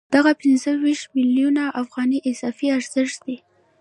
دغه پنځه ویشت میلیونه افغانۍ اضافي ارزښت دی